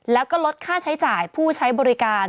แล้วก็ลดค่าใช้จ่ายผู้ใช้บริการ